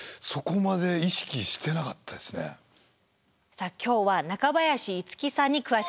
さあ今日は中林一樹さんに詳しくいろいろ伺います。